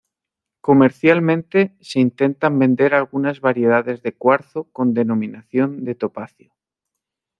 Comercialmente se intentan vender algunas variedades de cuarzo con denominación de topacio.